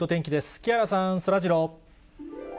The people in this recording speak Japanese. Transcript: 木原さん、そらジロー。